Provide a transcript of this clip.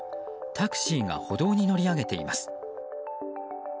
タクシーが歩道に乗り上げています。